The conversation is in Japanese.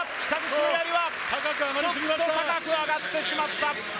ちょっと高く上がってしまった。